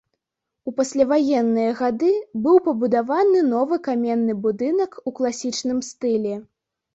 У пасляваенныя гады быў пабудаваны новы каменны будынак у класічным стылі.